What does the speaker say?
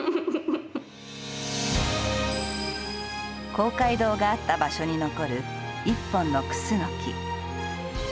公会堂があった場所に残る１本のクスノキ。